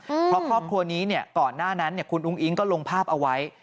เพราะครอบครัวนี้เนี่ยก่อนหน้านั้นเนี่ยคุณอุ้งอิ๊งก็ลงภาพเอาไว้